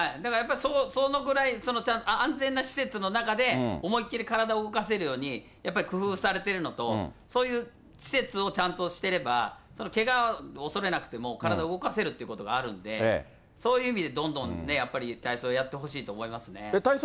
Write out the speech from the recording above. そのくらい、ちゃんと安全な施設の中で思いっ切り体を動かせるように、やっぱり工夫されてるのと、そういう施設をちゃんとしてれば、けがを恐れなくても体動かせるってことがあるんで、そういう意味で、どんどんやっぱり体操やってほしいと思いますね。